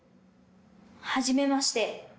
はじめまして。